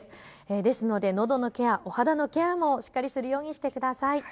ですので、のどのケア、お肌のケアもしっかりするようにしてください。